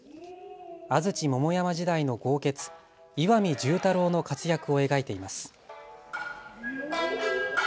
安土桃山時代の豪傑、岩見重太郎の活躍を描いています。